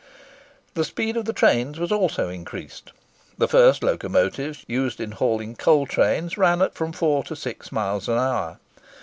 The speed of the trains was also increased. The first locomotives used in hauling coal trains ran at from four to six miles an hour.